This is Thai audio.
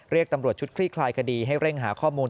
เรียกตำรวจชุดคลี่คลายคดีให้เร่งหาข้อมูล